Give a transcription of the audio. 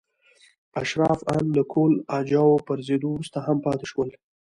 اشراف ان له کهول اجاو پرځېدو وروسته هم پاتې شول.